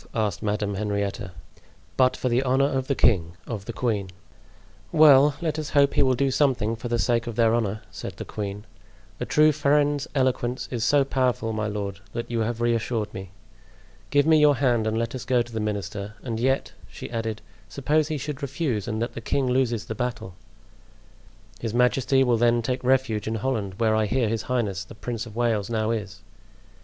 asked Madame Henrietta. "But for the honor of the king—of the queen." "Well, let us hope he will do something for the sake of their honor," said the queen. "A true friend's eloquence is so powerful, my lord, that you have reassured me. Give me your hand and let us go to the minister; and yet," she added, "suppose he should refuse and that the king loses the battle?" "His majesty will then take refuge in Holland, where I hear his highness the Prince of Wales now is."